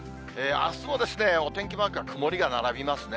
あすもお天気マークは曇りが並びますね。